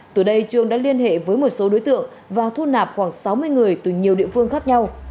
từ đây trường đã liên hệ với một số đối tượng và thu nạp khoảng sáu mươi người từ nhiều địa phương khác nhau